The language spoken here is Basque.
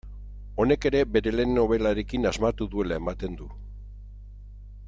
Honek ere bere lehen nobelarekin asmatu duela ematen du.